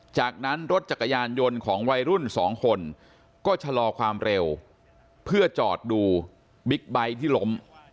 จากนั้นรถจักรยานยนต์ของวัยรุ่นสองคนก็ชะลอความเร็วเพื่อจอดดูบิ๊กไบท์ที่ล้ม